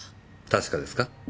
確かですか？